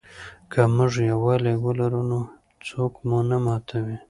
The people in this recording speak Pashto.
که موږ یووالي ولرو نو څوک مو نه ماتوي.